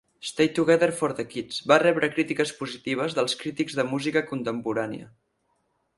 "Stay Together for the Kids" va rebre crítiques positives dels crítics de música contemporània.